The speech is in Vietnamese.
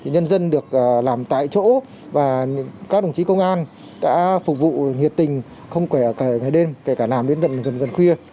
nhân dân được làm tại chỗ và các đồng chí công an đã phục vụ nhiệt tình không quẻ cả ngày đêm kể cả làm đến gần khuya